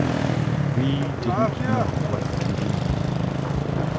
We didn't know what to do.